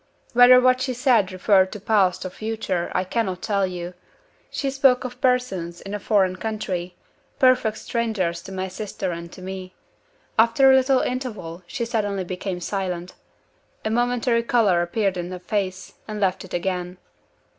Whether what she said referred to past or future I cannot tell you. She spoke of persons in a foreign country perfect strangers to my sister and to me. After a little interval, she suddenly became silent. A momentary color appeared in her face, and left it again.